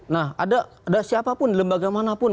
nah ada siapapun lembaga manapun